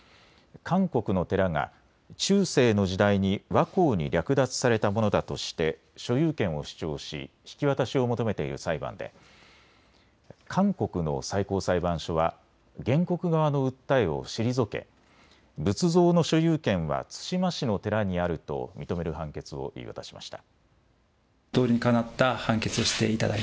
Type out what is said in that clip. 韓国の寺が中世の時代に倭寇に略奪されたものだとして所有権を主張し引き渡しを求めている裁判で韓国の最高裁判所は原告側の訴えを退け仏像の所有権は対馬市の寺にあると認める判決を言い渡しました。